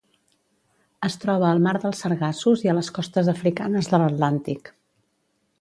Es troba al Mar dels Sargassos i a les costes africanes de l'Atlàntic.